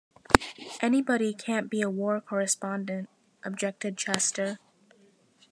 "Anybody can't be a war correspondent," objected Chester.